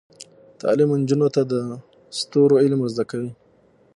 تعلیم نجونو ته د ستورو علم ور زده کوي.